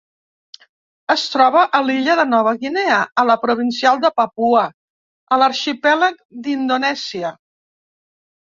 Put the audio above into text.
Es troba a l'illa de Nova Guinea, a la provincial de Papua, a l'arxipèlag d'Indonèsia.